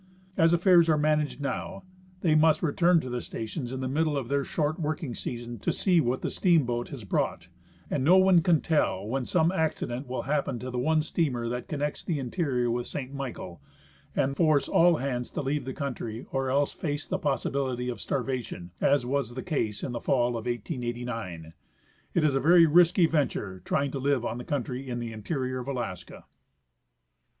As affairs are managed now, they must return to the stations in the middle of their short working season to see what the steamboat has brought, and no one can tell when some accident will happen to the one steamer that connects the interior with Saint Michael, and force all hands to leave the country or else face the possibility of starvation, as was the case in the fall of 1889. It is a very risky venture trying to live on the country in the interior of Alaska.